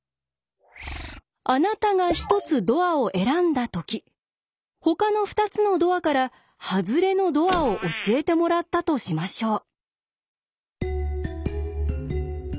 あなたが１つドアを選んだときほかの２つのドアからハズレのドアを教えてもらったとしましょう。